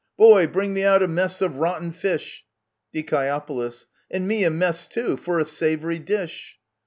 Boy, bring me out a mess of rotten fish ! Die. And me a mess too — for a savoury dish.